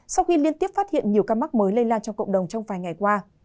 sau khi liên tiếp phát hiện nhiều ca mắc mới lây lan trong cộng đồng trong vài ngày qua